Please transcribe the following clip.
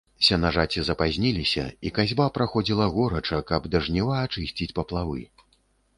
Сенажаці запазніліся, і касьба праходзіла горача, каб да жніва ачысціць паплавы.